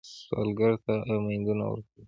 سوالګر ته امیدونه ورکوئ